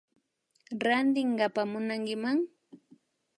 Rantinkapa munankiman